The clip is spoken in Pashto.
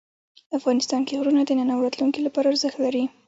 افغانستان کې غرونه د نن او راتلونکي لپاره ارزښت لري.